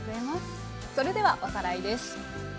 それではおさらいです。